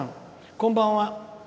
こんばんは。